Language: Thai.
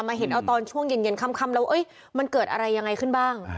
เห็นเอาตอนช่วงเย็นค่ำแล้วมันเกิดอะไรยังไงขึ้นบ้าง